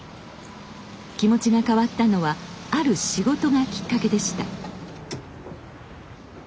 気持ちが変わったのはある仕事がきっかけでした。